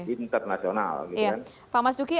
internasional oke pak mas duki